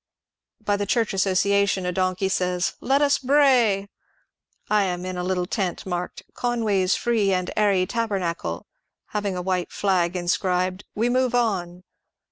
By the Church Association a donkey says " Let us bray !" I am in a little tent marked " Conway's Free and Airy Taber nacle," having a white flag inscribed " We move on."